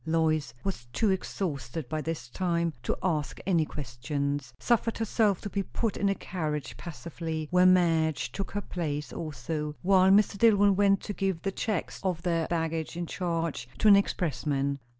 Lois was too exhausted by this time to ask any questions; suffered herself to be put in a carriage passively, where Madge took her place also, while Mr. Dillwyn went to give the checks of their baggage in charge to an expressman.